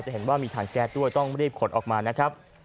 เห็นว่ามีถังแก๊สด้วยต้องรีบขนออกมานะครับ